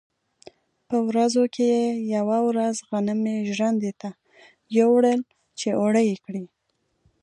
په ورځو کې یوه ورځ غنم یې ژرندې ته یووړل چې اوړه کړي.